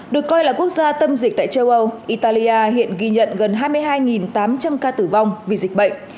được coi là quốc gia tâm dịch tại châu âu italia hiện ghi nhận gần hai mươi hai tám trăm linh ca tử vong vì dịch bệnh